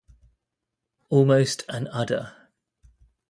Almost an udder.